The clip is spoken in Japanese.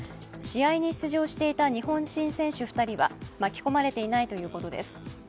試合に出場していた日本人選手２人は巻き込まれていないということです。